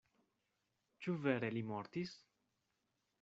Ĉu vere li mortis?